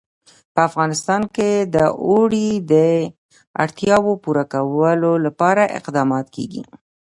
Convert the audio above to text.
په افغانستان کې د اوړي د اړتیاوو پوره کولو لپاره اقدامات کېږي.